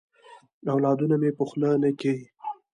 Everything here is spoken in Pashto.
اولادونه مي په خوله نه کیې.